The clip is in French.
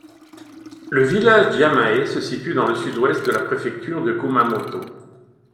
Le village d'Yamae se situe dans le sud-ouest de la préfecture de Kumamoto.